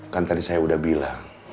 kan tadi saya sudah bilang